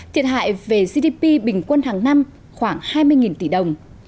thiệt hại về gdp bình quân hàng năm khoảng hai mươi tỷ đồng